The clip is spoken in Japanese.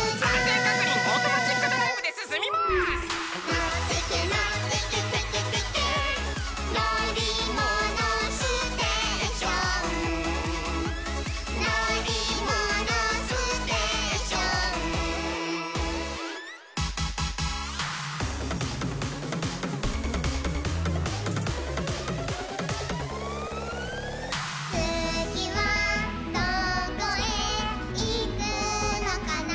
「のってけのってけテケテケ」「のりものステーション」「のりものステーション」「つぎはどこへいくのかな」